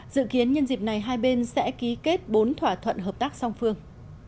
dự kiến nhân dịp này hai bên sẽ ký kết bốn thỏa thuận hợp tác song phương